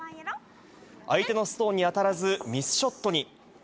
相手のストーンに当たらず、ミスショットに。